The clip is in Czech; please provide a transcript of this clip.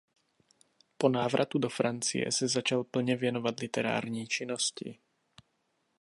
Po návratu do Francie se začal plně věnovat literární činnosti.